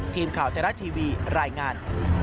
ทีมข่าวไทยรัฐทีวีรายงาน